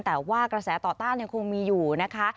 แต่ว่ากระแสต่อต้านยังคงมีอยู่นะคะ